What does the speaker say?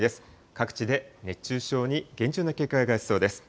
各地で熱中症に厳重な警戒が必要です。